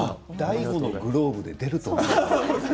ＤＡＩＧＯのグローブで出ると思う。